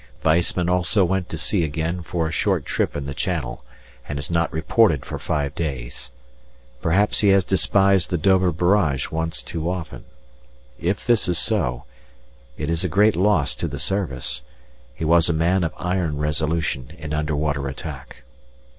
Weissman also went to sea again for a short trip in the Channel, and has not reported for five days. Perhaps he has despised the Dover Barrage once too often. If this is so, it is a great loss to the service: he was a man of iron resolution in underwater attack.